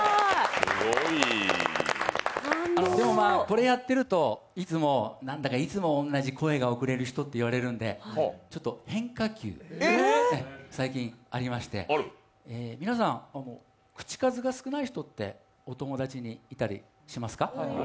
でもまあ、これやってると、何だか、いつも同じ声が遅れる人って言われるので、ちょっと変化球が最近ありまして、皆さん、口数が少ない人ってお友達にいたりしますか？